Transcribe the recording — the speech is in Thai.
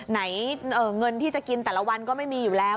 เงินที่จะกินแต่ละวันก็ไม่มีอยู่แล้ว